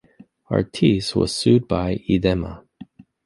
Artis was sued by Idema.